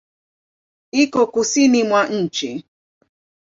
Iko kusini mwa nchi.